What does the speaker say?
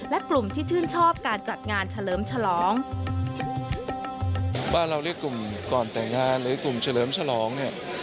บ้านเราเรียกกลุ่มก่อนแต่งงานหรือกลุ่มเฉลิมฉลอง